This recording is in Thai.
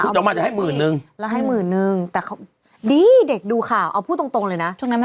ขวดออกมาจะให้หมื่นนึงแล้วให้หมื่นนึงดิเด็กดูข่าวเอาพูดตรงเลยนะ